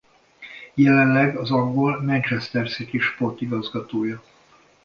Jelenleg az angol Manchester City sportigazgatója.